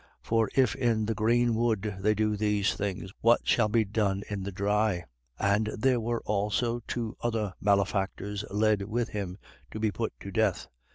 23:31. For if in the green wood they do these things, what shall be done in the dry? 23:32. And there were also two other malefactors led with him to be put to death.